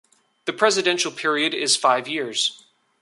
The presidential period is five years.